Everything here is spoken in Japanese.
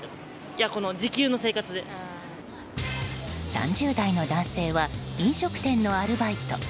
３０代の男性は飲食店のアルバイト。